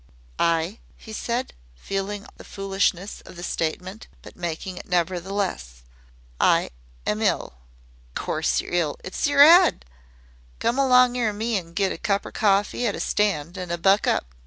"I " he said, feeling the foolishness of the statement, but making it, nevertheless, "I am ill." "Course yer ill. It's yer 'ead. Come along er me an' get a cup er cawfee at a stand, an' buck up.